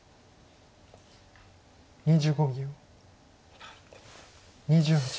２５秒。